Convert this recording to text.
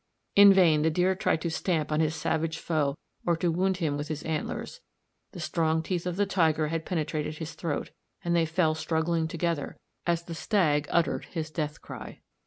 In vain the deer tried to stamp on his savage foe or to wound him with his antlers; the strong teeth of the tiger had penetrated his throat, and they fell struggling together as the stag uttered his death cry.